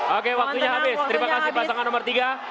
oke waktunya habis terima kasih pasangan nomor tiga